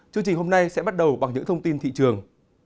chương trình hôm nay sẽ bắt đầu bằng những thông tin thị trường